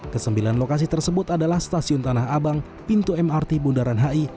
kesembilan lokasi tersebut adalah stasiun tanah abang pintu mrt bundaran hi